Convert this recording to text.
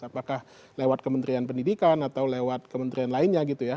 apakah lewat kementerian pendidikan atau lewat kementerian lainnya gitu ya